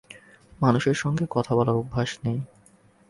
মানুষের সঙ্গে কথা বলার অভ্যাস নেই।